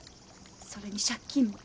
それに借金も。